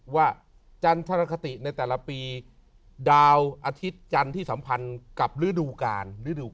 จันทรคติในแต่ละปีดาวอาทิตย์จันทร์ที่สัมพันธ์กับฤดูกาล